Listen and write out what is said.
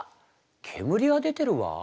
煙が出てるわ。